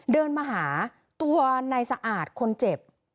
เดินมาหาตัวนายสะอาดคนเจ็บ